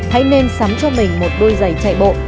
hãy nên sắm cho mình một đôi giày chạy bộ